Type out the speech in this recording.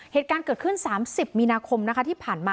เหตุการณ์เกิดขึ้น๓๐มีนาคมนะคะที่ผ่านมา